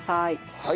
はい。